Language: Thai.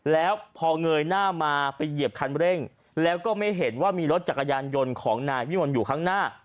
แล้วพอเงยหน้ามาไปเหยียบคันเร่งแล้วก็ไม่เห็นว่ามีรถจักรยานยนต์ของนายวิมลอยู่ข้างหน้า